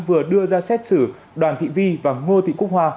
vừa đưa ra xét xử đoàn thị vi và ngô thị cúc hoa